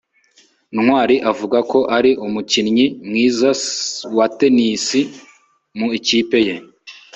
ntwali avuga ko ari umukinnyi mwiza wa tennis mu ikipe ye